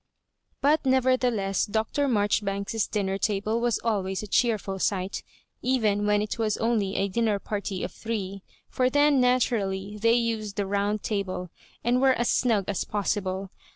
/ But, nevertheless. Dr. Marjoribanks's dinner table was always a cheerful sight, even when it was only a dinner party of three ; for then natu rally thej used the round table, and were as snug as possible.